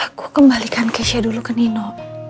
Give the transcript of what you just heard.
aku kembalikan keisha dulu ke nino